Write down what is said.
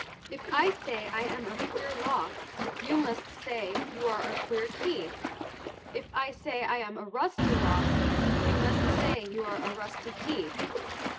If I say I am a queer lock you must say you are a queer key. If I say I am a rusty lock you must say you are a rusty key.